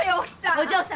お嬢様。